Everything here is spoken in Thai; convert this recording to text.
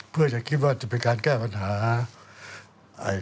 เพื่อจะคิดว่าจะเป็นการแก้ปัญหาเอ่อ